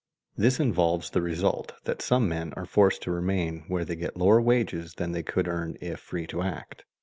This involves the result that some men are forced to remain where they get lower wages than they could earn if free to act.